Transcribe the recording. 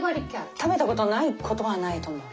食べた事ない事はないと思う。